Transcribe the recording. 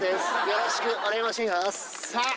よろしくお願い申し上げます。